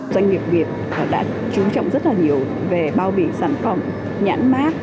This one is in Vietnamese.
doanh nghiệp việt đã chú trọng rất là nhiều về bao bì sản phẩm nhãn mát